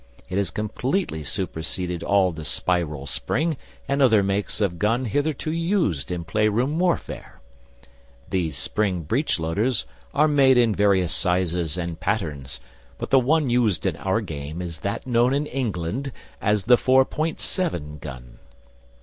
It has completely superseded all the spiral spring and other makes of gun hitherto used in playroom warfare. These spring breechloaders are made in various sizes and patterns, but the one used in our game is that known in England as the four point seven gun.